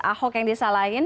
ahok yang disalahin